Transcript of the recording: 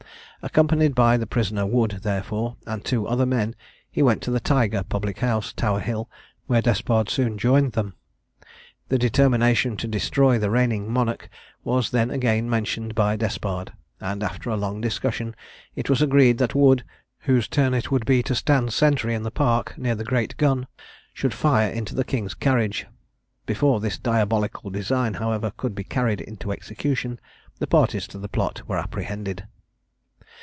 Accompanied by the prisoner Wood therefore, and two other men, he went to the Tiger public house, Tower hill, where Despard soon joined them. The determination to destroy the reigning monarch was then again mentioned by Despard; and after a long discussion, it was agreed that Wood, whose turn it would be to stand sentry in the Park, near the great gun, should fire into the King's carriage. Before this diabolical design, however, could be carried into execution, the parties to the plot were apprehended.